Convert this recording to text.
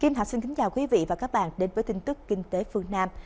kim thạch xin kính chào quý vị và các bạn đến với tin tức kinh tế phương nam